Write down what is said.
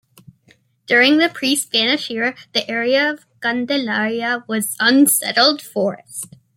During the pre-Spanish era, the area of Candelaria was unsettled forest.